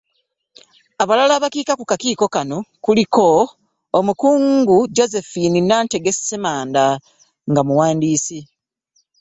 Abalala abakiika ku kakiiko kano kuliko; Omukungu Josephine Nantege Ssemanda nga muwandiisi